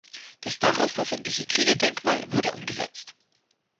Das darauf befindliche Kriegerdenkmal wurde umgesetzt.